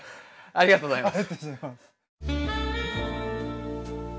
ありがとうございます。